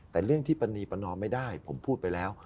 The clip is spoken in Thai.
แต่เรื่องที่ประนีประนอมไม่ได้ผมพูดไปแล้ว